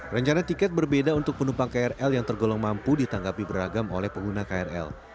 rencana tiket berbeda untuk penumpang krl yang tergolong mampu ditanggapi beragam oleh pengguna krl